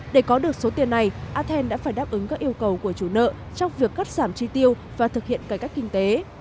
để có được số tiền này athens đã phải đáp ứng các yêu cầu của chủ nợ trong việc cắt giảm chi tiêu và thực hiện cải cách kinh tế